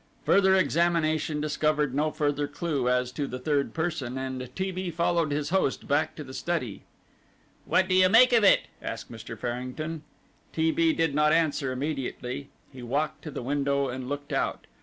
Further examination discovered no further clue as to the third person, and T. B. followed his host back to the study. "What do you make of it?" asked Mr. Farrington. T. B. did not answer immediately. He walked to the window and looked out.